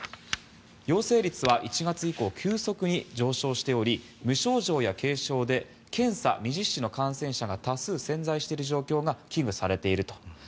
陽性率は１月以降急速に上昇しており無症状や軽症で検査未実施の感染者が多数潜在している状況が危惧されていると。